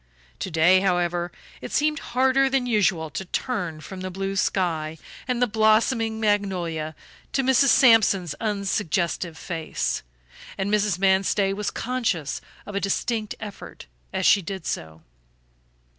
To day, however, it seemed harder than usual to turn from the blue sky and the blossoming magnolia to Mrs. Sampson's unsuggestive face, and Mrs. Manstey was conscious of a distinct effort as she did so.